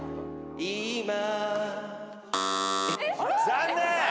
残念！